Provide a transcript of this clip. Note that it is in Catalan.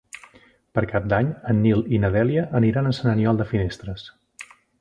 Per Cap d'Any en Nil i na Dèlia aniran a Sant Aniol de Finestres.